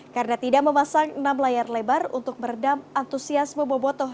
karena tidak memasang enam layar lebar untuk meredam antusiasme bobotoh